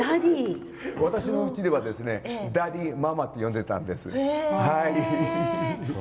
私のうちではダディ、ママと呼んでたんです。